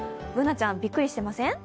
Ｂｏｏｎａちゃん、びっくりしてません？